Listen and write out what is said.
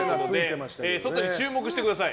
外に注目してください。